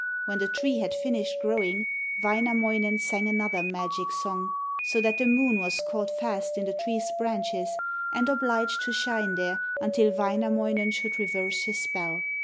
When the tree had finished growing, Wainamoinen sang another magic song, so that the moon was caught fast in the tree's branches and obliged to shine there until Wainamoinen should reverse his spell.